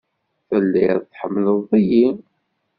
Telliḍ tḥemmleḍ-iyi?